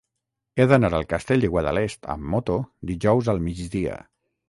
He d'anar al Castell de Guadalest amb moto dijous al migdia.